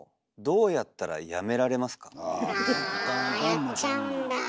あやっちゃうんだ。